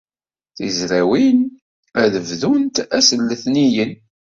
Tizrawin ad bdunt ass n letniyen.